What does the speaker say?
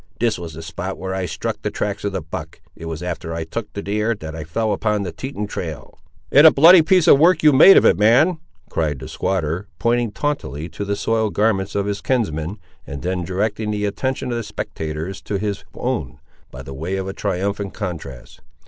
"This was the spot where I struck the tracks of the buck; it was after I took the deer, that I fell upon the Teton trail." "And a bloody piece of work you made of it, man," cried the squatter, pointing tauntily to the soiled garments of his kinsman, and then directing the attention of the spectators to his own, by the way of a triumphant contrast.